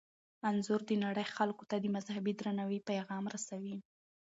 انځور د نړۍ خلکو ته د مذهبي درناوي پیغام رسوي.